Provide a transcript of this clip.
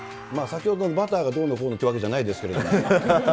先ほどのバターがどうのこうのってわけじゃないですけど。